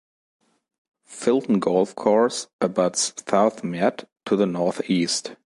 Filton Golf Course abuts Southmead to the North East.